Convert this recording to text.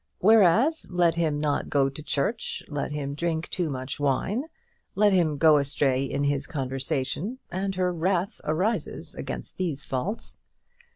Whereas, let him not go to church, let him drink too much wine, let him go astray in his conversation, and her wrath arises against these faults.